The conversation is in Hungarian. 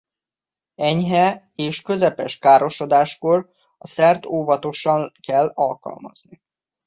Enyhe és közepes károsodáskor a szert óvatosan kell alkalmazni.